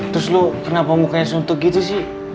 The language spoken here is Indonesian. terus lo kenapa mukanya suntuk gitu sih